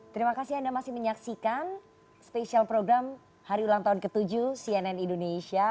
terima kasih anda masih menyaksikan spesial program hari ulang tahun ke tujuh cnn indonesia